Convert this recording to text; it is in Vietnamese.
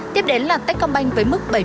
tiếp đến là techcombank